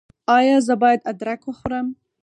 ایا زه باید ادرک وخورم؟